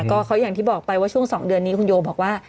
ก็เขาอย่างที่บอกไปว่าช่วง๒เดือนนี้คุณโยบอกว่า